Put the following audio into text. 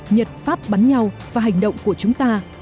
nhật pháp bắn nhau và hành động của chúng ta